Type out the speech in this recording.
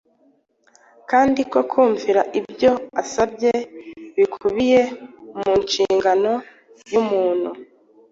kandi ko kumvira ibyo asaba bikubiye mu nshingano y’umuntu.